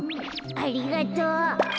ありがとう。